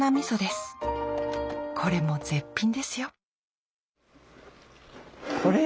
これも絶品ですよ